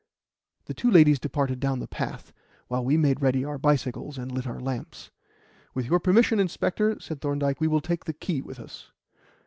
The two ladies departed down the path, while we made ready our bicycles and lit our lamps. "With your permission, inspector," said Thorndyke, "we will take the key with us."